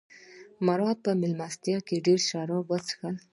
مراد په مېلمستیا کې ډېر شراب وڅښل.